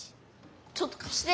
ちょっとかして。